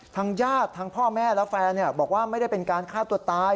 ทางญาติทางพ่อแม่และแฟนบอกว่าไม่ได้เป็นการฆ่าตัวตาย